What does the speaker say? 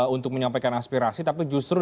untuk menyampaikan aspirasi tapi justru